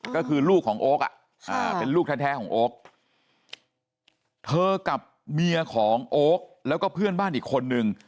ก็คือลูกของโอ๊คเป็นลูกแท้ของโอ๊คเธอกับเมียของโอ๊คแล้วก็เพื่อนบ้านอีกคนนึง